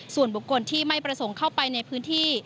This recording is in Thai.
ส่วนบุคคลที่ไม่ประสงค์เข้าไปในพื้นที่